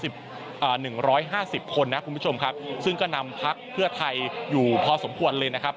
๑๑๕๐คนนะครับคุณผู้ชมครับซึ่งก็นำพักเพื่อไทยอยู่พอสมควรเลยนะครับ